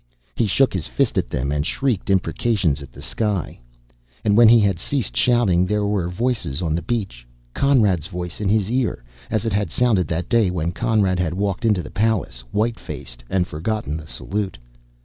He shook his fist at them and shrieked imprecations at the sky. And when he had ceased shouting, there were voices on the beach. Conrad's voice in his ear, as it had sounded that day when Conrad had walked into the palace, white faced, and forgotten the salute.